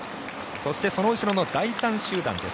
そしてその後ろの第３集団です。